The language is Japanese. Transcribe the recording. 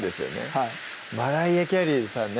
はいマライア・キャリーさんね